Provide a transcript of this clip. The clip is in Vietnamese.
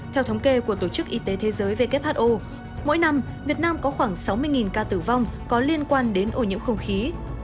theo thống kê của tổ chức y tế thế giới who mỗi năm việt nam có khoảng sáu mươi ca tử vong có liên quan đến ô nhiễm không khí